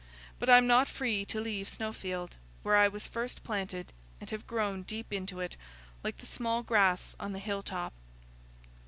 But I'm not free to leave Snowfield, where I was first planted, and have grown deep into it, like the small grass on the hill top."